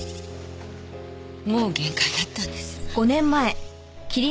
もう限界だったんです。